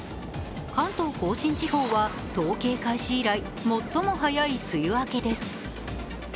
関東甲信地方は統計開始以来最も早い梅雨明けです。